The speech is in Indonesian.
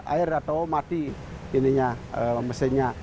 air atau mati mesinnya